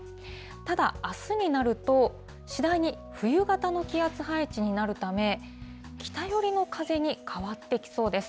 ただ、あすになると、次第に冬型の気圧配置になるため、北寄りの風に変わってきそうです。